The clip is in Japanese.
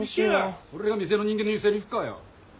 それが店の人間の言うせりふかよ。